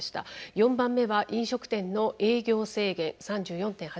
４番目は「飲食店の営業制限」３４．８％。